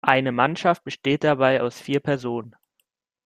Eine Mannschaft besteht dabei aus vier Personen.